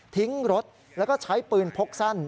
ทิ้งรถแล้วก็ใช้ปืนพกสั้น